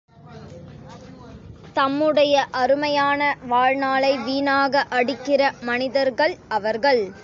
தம்முடைய அருமையான வாழ்நாளை வீணாக அடிக்கிற மனிதர்கள் அவர்கள்.